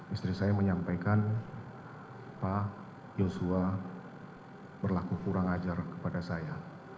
istri saya menyampaikan pak yosua berlaku kurang ajar kepada saya